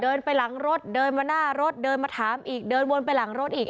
เดินไปหลังรถเดินมาหน้ารถเดินมาถามอีกเดินวนไปหลังรถอีก